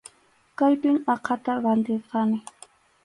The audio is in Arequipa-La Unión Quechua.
Kaypim aqhata rantirqani.